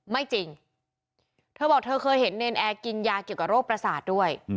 ไม่จริงเธอบอกเธอเคยเห็นเนรนแอร์กินยาเกี่ยวกับโรคประสาทด้วย